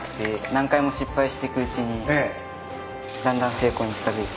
何回も失敗していくうちにだんだん成功に近づいて。